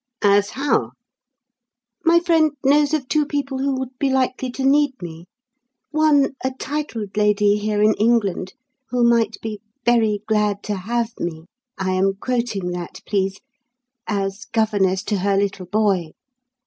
"As how?" "My friend knows of two people who would be likely to need me: one, a titled lady here in England, who might be 'very glad to have me' I am quoting that, please as governess to her little boy.